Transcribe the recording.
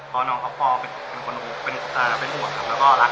เพราะน้องเราเป็นคนเป็นอวกและรักเรามาก